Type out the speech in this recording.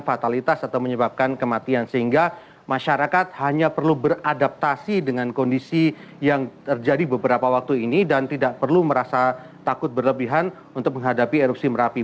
fatalitas atau menyebabkan kematian sehingga masyarakat hanya perlu beradaptasi dengan kondisi yang terjadi beberapa waktu ini dan tidak perlu merasa takut berlebihan untuk menghadapi erupsi merapi